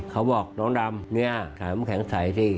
เขาบอกน้องดำเนี่ยขายน้ำแข็งใสสิ